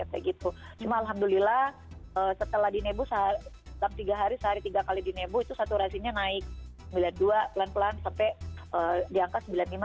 cuma alhamdulillah setelah di nebu dalam tiga hari sehari tiga kali di nebu itu saturasinya naik sembilan puluh dua pelan pelan sampai di angka sembilan puluh lima